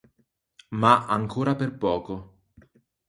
Ma ancora per poco.